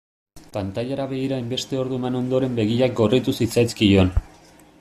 Pantailara begira hainbeste ordu eman ondoren begiak gorritu zitzaizkion.